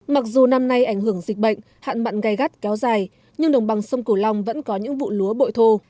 mặc dù năm nay ảnh hưởng dịch bệnh hạn mặn gây gắt kéo dài nhưng đồng bằng sông cửu long vẫn có những vụ lúa bội thô